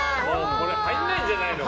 これ入らないんじゃないのか？